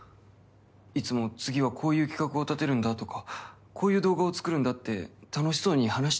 いつも次はこういう企画を立てるんだとかこういう動画を作るんだって楽しそうに話してるじゃん。